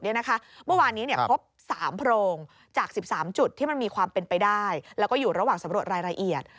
เมื่อวานนี้พบ๓โพรงจาก๑๓จุดที่มันมีความเป็นไปได้แล้วก็อยู่ระหว่างสำรวจรายละเอียด